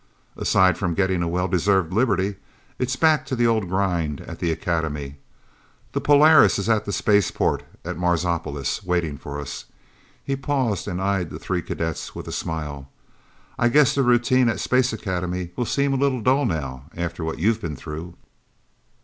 "Aside from getting a well deserved liberty, it's back to the old grind at the Academy. The Polaris is at the spaceport at Marsopolis, waiting for us." He paused and eyed the three cadets with a smile. "I guess the routine at Space Academy will seem a little dull now, after what you've been through."